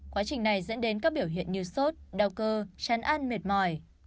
quá trình này dẫn đến các biểu hiện như sốt đau cơ chán ăn mệt mỏi